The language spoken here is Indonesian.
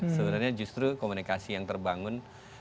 sebenarnya justru komunikasi yang terbangun